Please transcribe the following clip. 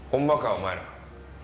お前ら。